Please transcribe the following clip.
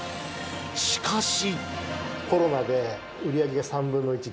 しかし！